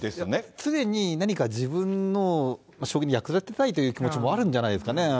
常に、何か自分の将棋に役立てたいという気持ちもあるんじゃないですかね。